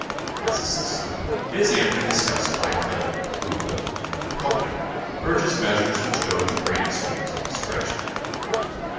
As a system it is amply discussed by Plato, who, in The Republic, urges measures which go to great ex tremes in this direction.